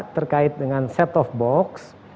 terkait dengan set of box